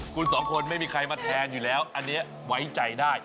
คุณสองคนไม่มีใครมาแทนอยู่แล้วอันนี้ไว้ใจได้